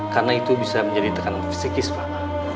karena itu bisa menjadi tekanan psikis pak